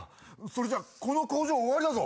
それじゃあこの工場終わりだぞ。